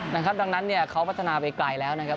นะครับดังนั้นเนี่ยเขาพัฒนาไปไกลแล้วนะครับ